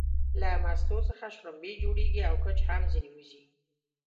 له مستو څخه شلومبې جوړيږي او کوچ هم ځنې وځي